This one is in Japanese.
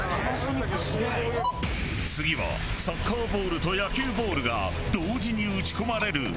次はサッカーボールと野球ボールが同時に撃ち込まれる猛攻撃。